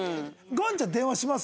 岩ちゃん電話します？